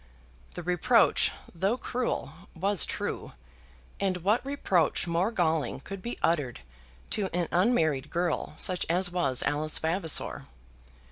The reproach, though cruel, was true, and what reproach more galling could be uttered to an unmarried girl such as was Alice Vavasor?